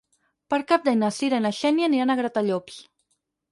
Per Cap d'Any na Cira i na Xènia aniran a Gratallops.